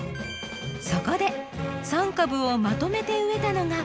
そこで３株をまとめて植えたのがこちら。